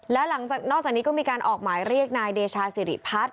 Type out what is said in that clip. แล้วหลังจากนอกจากนี้ก็มีการออกหมายเรียกนายเดชาสิริพัฒน์